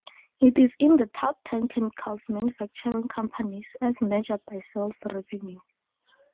It is in the top ten chemicals manufacturing companies as measured by sales revenue.